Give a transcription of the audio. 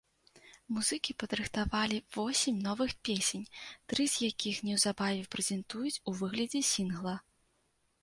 Музыкі падрыхтавалі восем новых песень, тры з якіх неўзабаве прэзентуюць у выглядзе сінгла.